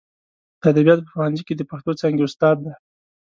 د ادبیاتو په پوهنځي کې د پښتو څانګې استاد دی.